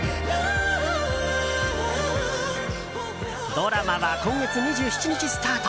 ドラマは今月２７日スタート。